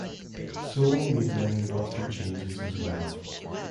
Seoul made many roster changes as well.